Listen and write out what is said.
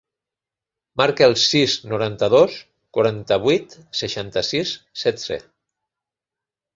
Marca el sis, noranta-dos, quaranta-vuit, seixanta-sis, setze.